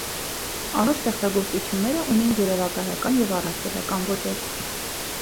Անոր ստեղծագործութիւնները ունին երեւակայական եւ առասպելական ոճեր։